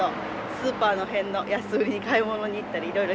スーパーの辺の安売りに買い物に行ったりいろいろします。